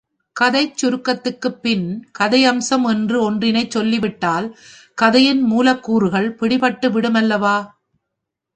கதைச் சுருக்கத்துக்குப் பின் கதையம்சம் என்று ஒன்றினைச் சொல்லிவிட்டால், கதையின் மூலக்கூறுகள் பிடிபட்டுவிடும் அல்லவா?